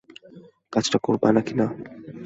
কাজটা করবা নাকি না?